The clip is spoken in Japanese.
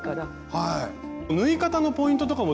はい。